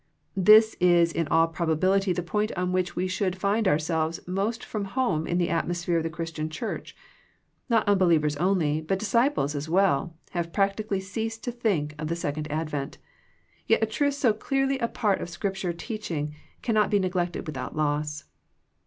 This is in all probability the point on which we should find ourselves most from home in the atmosphere of the Christian Church. Not unbelievers only, but disciples as well, have practically ceased to think of the second ad vent. ... Yet a truth so clearly a part of Scripture teaching cannot be neglected without loss."